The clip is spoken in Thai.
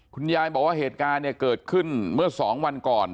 คุณยายบอกว่าเหตุการณ์เนี่ยเกิดขึ้นเมื่อ๒วันก่อน